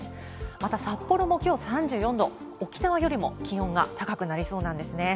また、札幌もきょう３４度、沖縄よりも気温が高くなりそうなんですね。